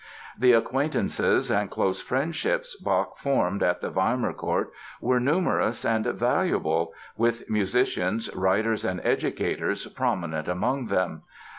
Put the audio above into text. The acquaintances and close friendships Bach formed at the Weimar court were numerous and valuable, with musicians, writers and educators prominent among them.